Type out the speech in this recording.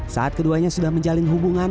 saat keduanya sudah menjalin hubungan